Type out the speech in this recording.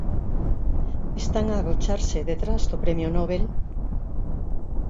Están a agocharse detrás do Premio Nobel?